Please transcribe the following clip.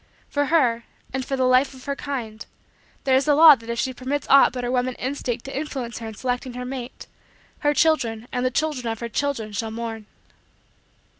For her, and for the Life of her kind, there is the law that if she permits aught but her woman instinct to influence her in selecting her mate her children and the children of her children shall mourn.